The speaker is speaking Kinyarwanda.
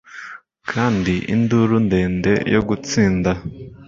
Kandi induru ndende yo gutsinda